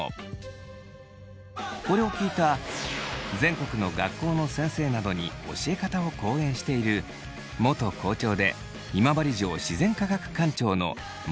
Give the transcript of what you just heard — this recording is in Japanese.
これを聞いた全国の学校の先生などに教え方を講演している元校長で今治城自然科学館長の村上圭司さんによると。